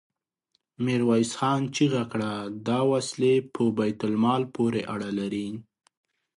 ميرويس خان چيغه کړه! دا وسلې په بيت المال پورې اړه لري.